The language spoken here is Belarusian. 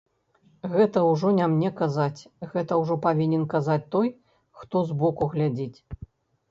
Гэта ўжо не мне казаць, гэта ўжо павінен казаць той, хто збоку глядзіць.